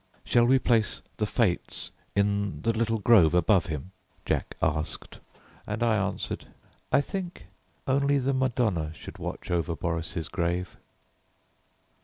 "Shall we place the 'Fates' in the little grove above him?" Jack asked, and I answered "I think only the 'Madonna' should watch over Boris' grave."